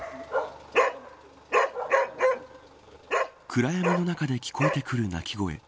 暗闇の中で聞こえてくる鳴き声。